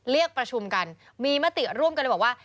เรียกประชุมกันมีมติร่วมกันเลยบอกว่า